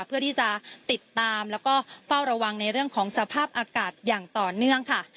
เพื่อที่จะติดตามแล้วก็เฝ้าระวังในเรื่องของสภาพอากาศอย่างต่อเนื่องค่ะ